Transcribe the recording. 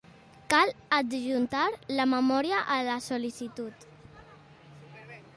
Cal adjuntar la memòria a la sol·licitud.